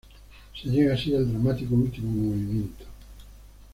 Se llega así al dramático último movimiento.